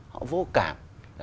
họ vô cảm